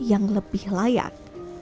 yang lebih layak